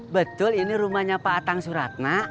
betul ini rumahnya pak atang suratna